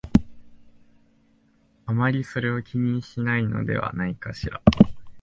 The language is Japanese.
あまりそれを気にしないのではないかしら